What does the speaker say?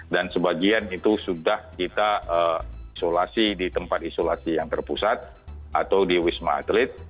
dan sebagian itu sudah kita isolasi di tempat isolasi yang terpusat atau di wisma atlet